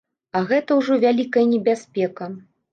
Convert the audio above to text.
А гэта ўжо вялікая небяспека.